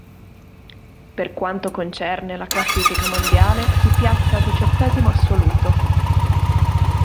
Per quanto concerne la classifica mondiale, si piazza diciottesimo assoluto.